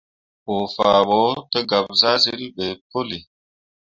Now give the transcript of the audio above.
Bə faa ɓo tə gab zahsyil ɓe pəli.